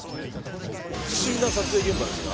不思議な撮影現場ですね